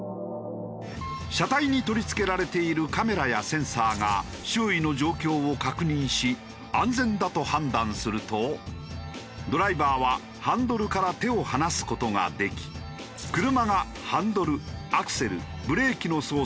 車体に取り付けられているカメラやセンサーが周囲の状況を確認し安全だと判断するとドライバーはハンドルから手を放す事ができ車がハンドルアクセルブレーキの操作を行う。